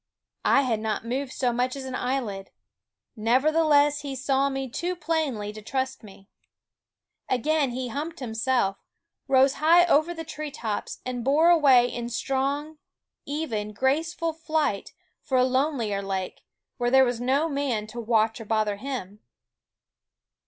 I had not moved so much as an eyelid ; nevertheless he saw me too plainly to trust me. Again he humped THE WOODS B himself, rose high over the tree tops, and bore away in strong, even, graceful flight for a ^., lonelier lake, where there was no man to *^Keen Eyed watch or bother him.